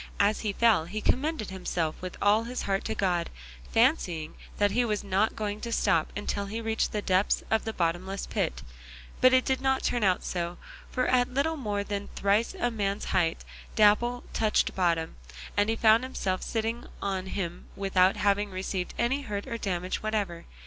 As he fell he commended himself with all his heart to God, fancying he was not going to stop until he reached the depths of the bottomless pit; but it did not turn out so, for at little more than thrice a man's height Dapple touched bottom, and he found himself sitting on him without having received any hurt or damage whatever.